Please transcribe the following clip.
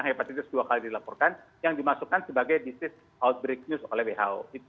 hepatitis dua kali dilaporkan yang dimasukkan sebagai disease outbreak news oleh who